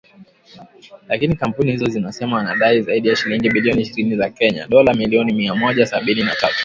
Lakini kampuni hizo zinasema wanadai zaidi ya shilingi bilioni ishirini za Kenya (dola milioni mia moja sabini na tatu)